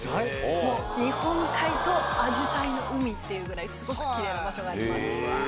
もう日本海とあじさいの海っていうぐらいすごくきれいな場所があります。